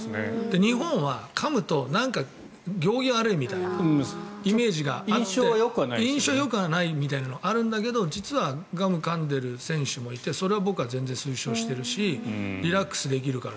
日本はかむと、なんか行儀が悪いみたいなイメージが印象はよくないみたいなのがあるんだけど実はガムをかんでる選手もいてそれを僕は全然推奨しているしリラックスできるから。